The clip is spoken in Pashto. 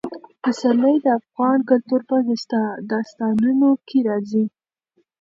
پسرلی د افغان کلتور په داستانونو کې راځي.